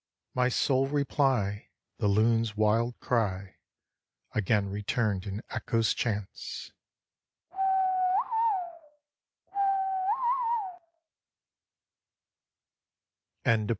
My sole reply, the loon's wild cry, Again returned in echo's chance, "Ke woi o!